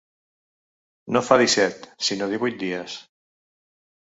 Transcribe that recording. No fa disset, sinó divuit dies.